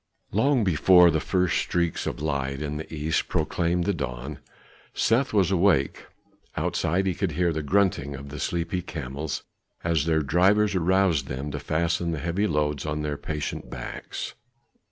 Long before the first streaks of light in the east proclaimed the dawn, Seth was awake. Outside he could hear the grunting of the sleepy camels, as their drivers aroused them to fasten the heavy loads on their patient backs.